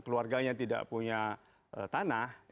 keluarganya tidak punya tanah